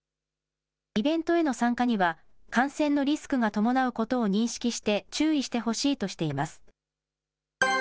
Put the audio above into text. イベントへの参加には感染のリスクが伴うことを認識して注意してほしいとしています。